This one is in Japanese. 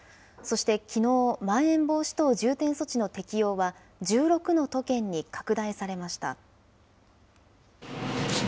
そしてきのう、まん延防止等重点措置の適用は、１６の都県に拡大されました。